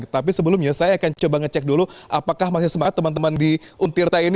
tapi sebelumnya saya akan coba ngecek dulu apakah masih semangat teman teman di untirta ini